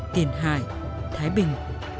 tiền hải thái bình